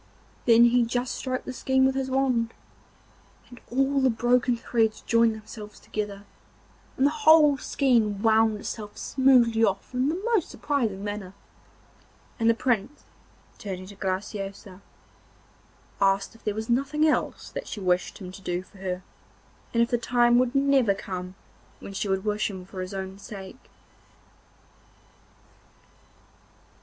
Then he just stroked the skein with his wand, and all the broken threads joined themselves together, and the whole skein wound itself smoothly off in the most surprising manner, and the Prince, turning to Graciosa, asked if there was nothing else that she wished him to do for her, and if the time would never come when she would wish for him for his own sake.